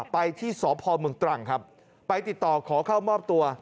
ไปที่สพเมืองตรังครับไปติดต่อขอเข้ามอบตัว